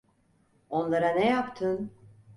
Onlara ne yaptın?